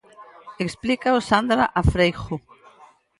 Explícao Sandra Afreijo.